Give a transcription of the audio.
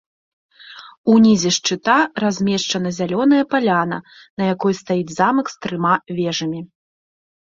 Унізе шчыта размешчана зялёная паляна, на якой стаіць замак з трыма вежамі.